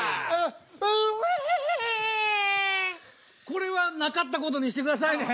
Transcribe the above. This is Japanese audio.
これはなかったことにしてくださいね。